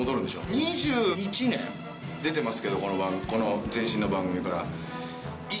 ２１年出てますけどこの前身の番組から。